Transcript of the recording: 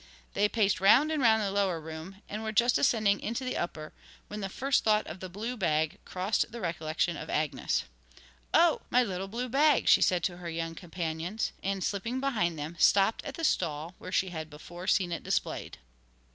They paced round and round the lower room, and were just ascending into the upper, when the first thought of the blue bag crossed the recollection of Agnes. 'Oh, my little blue bag!' she said to her young companions; and slipping behind them, stopped at the stall where she had before seen it displayed.